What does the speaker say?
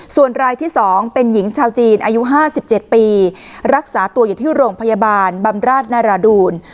ส่วนรายที่๒เป็นหญิงชาวจีนอายุ๕๗ปีรักษาตัวอยู่ที่โรงพยาบาลบำราชนารดูล